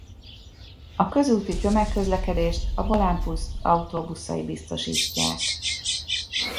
A közúti tömegközlekedést a Volánbusz autóbuszai biztosítják.